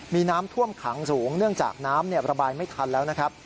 มีน้ำท่วมขังสูงเนื่องจากน้ำระบายไม่ทันแล้วนะครับ